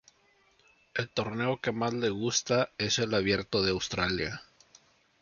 El torneo que más le gusta es el Abierto de Australia.